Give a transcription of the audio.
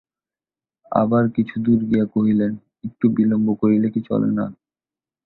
আবার কিছু দূর গিয়া কহিলেন, একটু বিলম্ব করিলে কি চলে না।